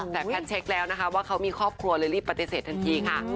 แต่แพทย์เช็คแล้วนะคะว่าเขามีครอบครัวเลยรีบปฏิเสธทันทีค่ะ